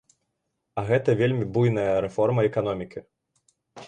А гэта вельмі буйная рэформа эканомікі.